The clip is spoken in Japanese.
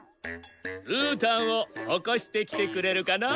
うーたんをおこしてきてくれるかな？